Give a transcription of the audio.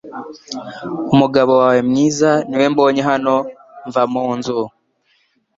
Umugabo wawe mwiza niwe mbonye hano mva munzu